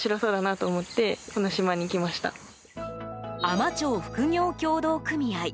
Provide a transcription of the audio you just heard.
海士町複業協同組合。